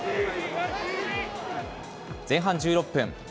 前半１６分。